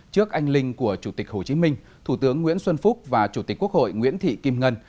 trước anh linh của chủ tịch hồ chí minh thủ tướng nguyễn xuân phúc và chủ tịch quốc hội nguyễn thị kim ngân